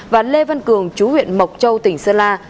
và lê văn cường chú huyện mộc châu tỉnh sơn la